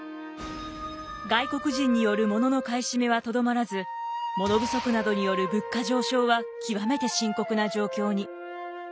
外国人によるモノの買い占めはとどまらずモノ不足などによる物価上昇は極めて深刻な状況に。